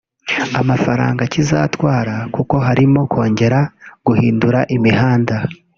amafaranga kizatwara kuko harimo kongera guhindura imihanda